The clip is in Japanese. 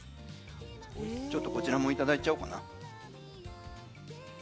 ちょっとこちらもいただいちゃおうかな。